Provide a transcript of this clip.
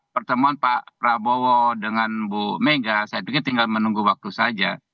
pertemuan pak prabowo dengan bu mega saya pikir tinggal menunggu waktu saja